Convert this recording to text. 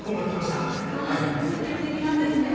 まあ積極的なんですねえ。